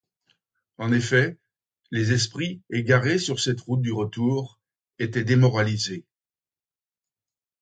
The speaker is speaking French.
En effet, les esprits, égarés sur cette route du retour, étaient démoralisés.